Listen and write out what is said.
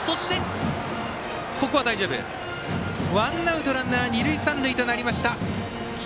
ワンアウトランナー、二塁三塁となりました。